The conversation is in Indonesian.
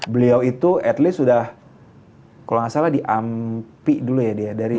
beliau itu at least udah kalo gak salah di ampi dulu ya dia